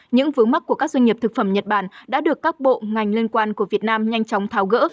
những vướng mắt của các doanh nghiệp thực phẩm nhật bản đã được các bộ ngành liên quan của việt nam nhanh chóng tháo gỡ